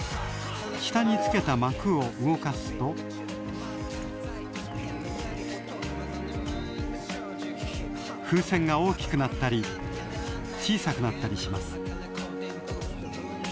下につけた膜を動かすと風船が大きくなったり小さくなったりします